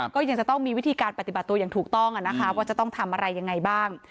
ก็ยังจะต้องมีวิธีการปฏิบัติตัวอย่างถูกต้องว่าจะต้องทำอะไรยังไงบ้าง